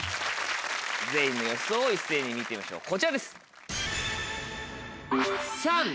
全員の予想を一斉に見てみましょうこちらです。